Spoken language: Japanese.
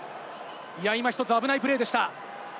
今、ひとつ危ないプレーでした。